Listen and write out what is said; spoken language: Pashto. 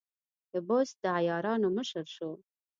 د بست د عیارانو مشر شو.